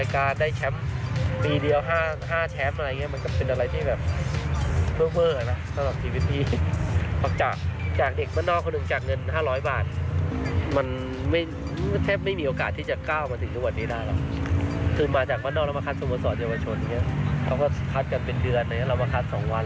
เขาก็คาดกันเป็นเดือนเราก็คาดสองวัน